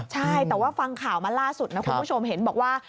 ใช่แต่ว่าฟังข่าวมาล่าสุดนะคุณผู้ชมเห็นบอกว่า